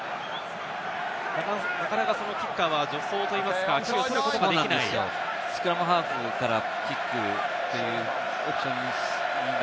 なかなかキッカーは助走といいますか、スクラムハーフからキックというオプションが。